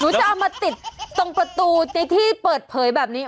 จะเอามาติดตรงประตูในที่เปิดเผยแบบนี้